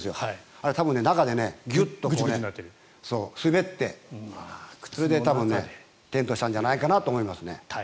あれ多分、中でギュッとね滑って、靴で転倒したんじゃないかなと思います。